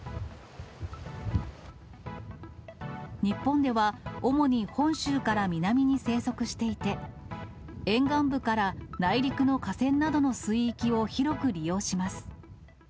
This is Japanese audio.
日本では、主に本州から南に生息していて、沿岸部から内陸の河川などの水域を広く利用します。